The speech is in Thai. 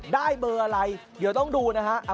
ได้เบอร์อะไรเดี๋ยวต้องดูนะฮะ